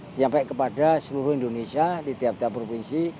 sampai kepada seluruh indonesia di tiap tiap provinsi